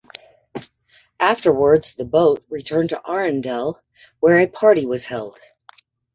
Afterwards, the boat returned to Arendelle where a party was held.